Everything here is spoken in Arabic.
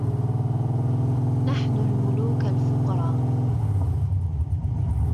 نحن الملوك الفقرا